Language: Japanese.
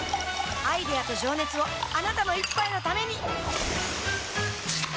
アイデアと情熱をあなたの一杯のためにプシュッ！